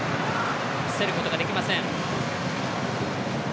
競ることができません。